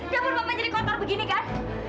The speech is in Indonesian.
dapur mama jadi kotor begini kan